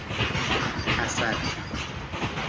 اَسد